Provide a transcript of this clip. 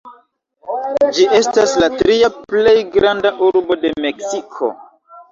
Ĝi estas la tria plej granda urbo de Meksiko.